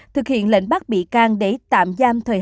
thực hiện lệnh bắt bị can để tạm giam thời